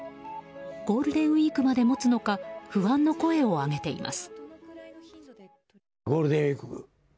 ゴールデンウィークまで持つのか不安の声を上げています。